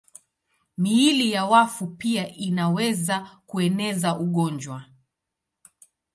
Miili ya wafu pia inaweza kueneza ugonjwa.